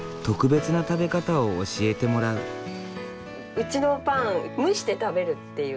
うちのパン蒸して食べるっていう。